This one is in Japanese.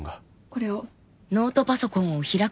これを。